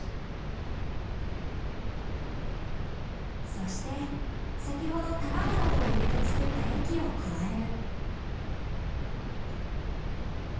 そして先ほど卵などを入れて作った液を加える。